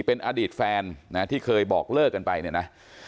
เป็นอดีตแฟนนะที่เคยบอกเลิกกันไปเนี่ยนะ